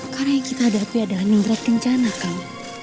karena yang kita hadapi adalah ningrat kencana kak